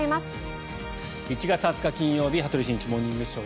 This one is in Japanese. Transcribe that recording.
１月２０日、金曜日「羽鳥慎一モーニングショー」。